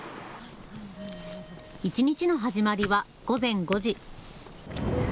一日の始まりは午前５時。